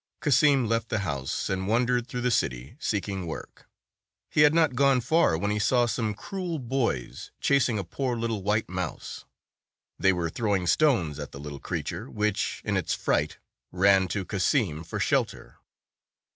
Cassim left the house and wandered through the city, seeking work. He had not gone far when he saw some cruel boys chasing a poor little white mouse. They were throwing stones at the little creature, which, in its fright, ran to Cassim for shelter.